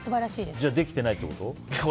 じゃあ、できてないってこと？